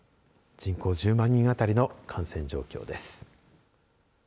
人口１０万人あたりの感染状況です。